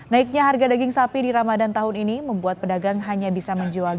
naiknya harga daging sapi di ramadan tahun ini membuat pedagang hanya bisa menjual